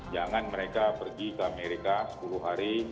jangan mereka pergi ke amerika sepuluh hari